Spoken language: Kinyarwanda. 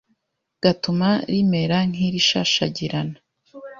gatuma rimera nk’irishashagirana